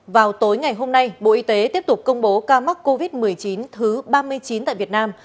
vào tối ngày hôm nay bộ y tế tiếp tục công bố ca mắc covid một mươi chín thứ ba mươi chín tại việt nam